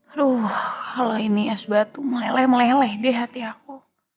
aduh kalau ini es batu meleleh meleleh di hati aku